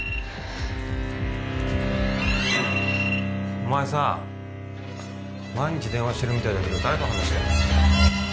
お前さ毎日電話してるみたいだけど誰と話してんの？